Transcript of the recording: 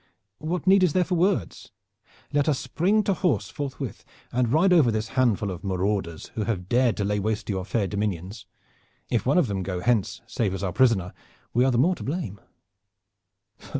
What need is there for words? Let us spring to horse forthwith and ride over this handful of marauders who have dared to lay waste your fair dominions. If one of them go hence save as our prisoner we are the more to blame."